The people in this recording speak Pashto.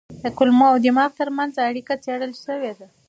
کولمو او دماغ ترمنځ اړیکه څېړل شوې ده.